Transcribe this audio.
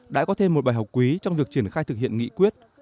đã có thêm một bài học quý trong việc triển khai thực hiện nghị quyết